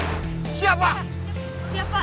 terima kasih banyak pak